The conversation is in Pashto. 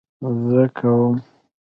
زه کوم